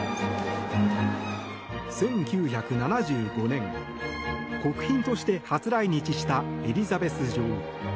１９７５年、国賓として初来日したエリザベス女王。